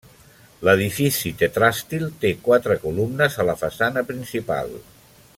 L'edifici tetràstil té quatre columnes a la façana principal.